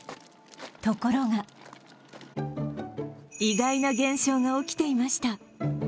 ところが意外な現象が起きていました。